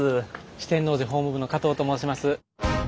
四天王寺法務部の加藤と申します。